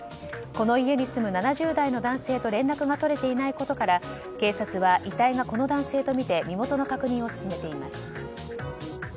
この家に住む７０代の男性と連絡が取れていないことから警察は遺体がこの男性とみて身元の確認を進めています。